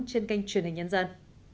trên kênh truyền hình nhân dân